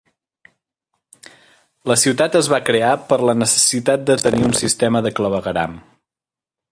La ciutat es va crear per la necessitat de tenir un sistema de clavegueram.